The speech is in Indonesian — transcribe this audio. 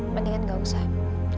mendingan gak usah